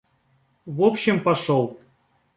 В общем, пошёл.